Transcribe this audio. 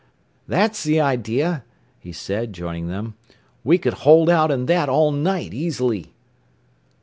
"That's the idea," he said, joining them. "We could hold out in that all night, easily."